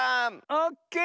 オッケー。